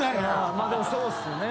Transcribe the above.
まあでもそうっすね。